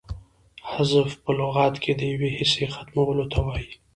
حذف په لغت کښي د یوې حصې ختمولو ته وايي.